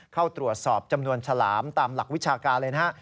เข้าตรวจสอบจำนวนฉลามตามหลักวิชาการเลยนะฮะ